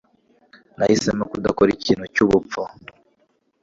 Nahisemo kudakora ikintu cyubupfu.